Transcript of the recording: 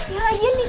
ya lagi ini